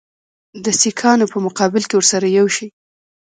د سیکهانو په مقابل کې ورسره یو شي.